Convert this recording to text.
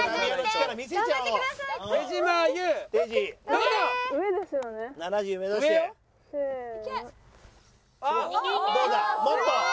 どうだ？